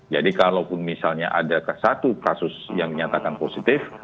jadi kalau pun misalnya ada satu kasus yang menyatakan positif